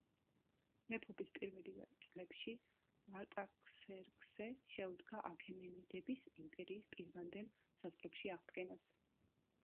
მეფობის პირველივე წლებში არტაქსერქსე შეუდგა აქემენიდების იმპერიის პირვანდელ საზღვრებში აღდგენას.